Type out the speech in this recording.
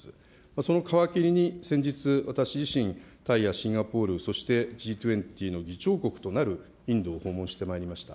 その皮切りに、先日、私自身、タイやシンガポール、そしてＧ２０の議長国となるインドを訪問してまいりました。